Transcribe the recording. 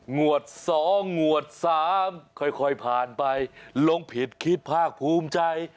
งวด๒งวด๓ค่อยผ่านไปลงผิดคิดภาคภูมิใจ